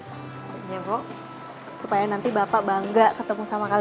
apa apa itu pahancyata itu yang mana apa itu pahancyata